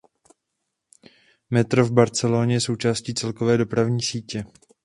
Metro v Barceloně je součástí celkové dopravní sítě.